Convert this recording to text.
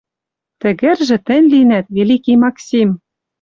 Тӹгӹржӹ тӹнь линӓт, великий Максим!